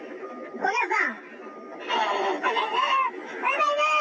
おっさん。